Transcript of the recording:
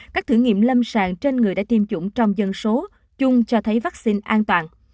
các thử nghiệm lâm sàng trên người đã tiêm chủng trong dân số chung cho thấy vaccine an toàn